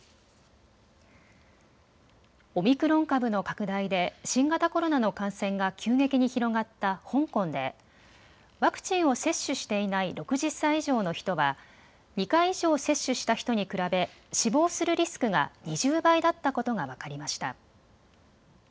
オミクロン株の拡大で新型コロナの感染が急激に広がった香港でワクチンを接種していない６０歳以上の人は２回以上接種した人に比べ死亡するリスクが２０倍だったことが分かりました。